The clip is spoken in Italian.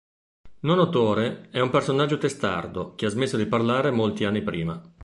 Nonno Tore è un personaggio testardo, che ha smesso di parlare molti anni prima.